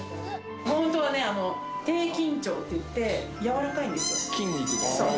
本当はね、低緊張っていって、柔らかいんですよ、筋肉が。